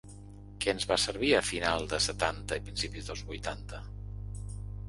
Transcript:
Què ens va servir a final del setanta i principis dels vuitanta?